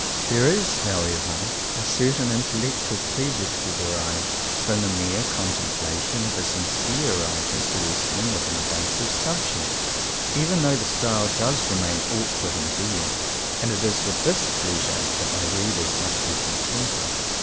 There is however a certain intellectual pleasure to be derived from the mere contemplation of a sincere writer's wrestling with an evasive subject, even though his style does remain awkward and bare; and it is with this pleasure that my readers must be contented.